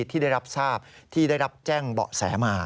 ที่ได้รับทราบที่ได้รับแจ้งเบาะแสมา